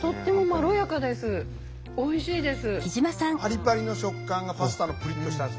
おいしいです。